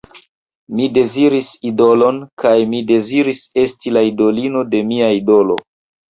Mi deziris idolon kaj mi deziris esti la idolino de mia idolo.